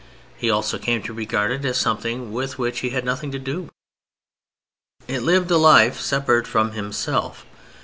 He also came to regard it as something with which he had nothing to do. It lived a life separate from himself.